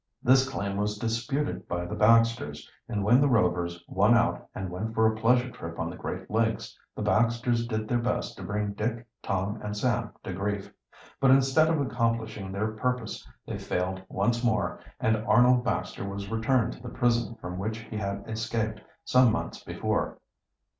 This claim was disputed by the Baxters, and when the Rovers won out and went for a pleasure trip on the Great Lakes, the Baxters did their best to bring Dick, Tom, and Sam to grief. But instead of accomplishing their purpose they failed once more, and Arnold Baxter was returned to the prison from which he had escaped some months before.